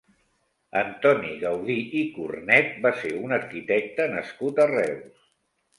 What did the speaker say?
Antoni Gaudí i Cornet va ser un arquitecte nascut a Reus.